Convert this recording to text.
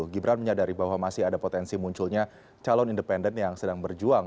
gibran menyadari bahwa masih ada potensi munculnya calon independen yang sedang berjuang